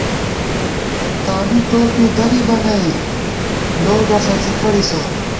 تانُو توپی دریبَہ نئی لوگہ ݭڅی کڑیسہ